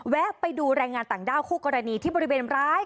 ไปดูแรงงานต่างด้าวคู่กรณีที่บริเวณร้าย